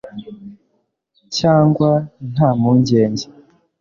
cyangwa, nta mpungenge